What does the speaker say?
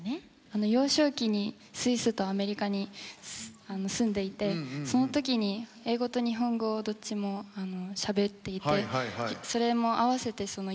幼少期にスイスとアメリカに住んでいてその時に英語と日本語をどっちもしゃべっていてそれも合わせて洋楽と邦楽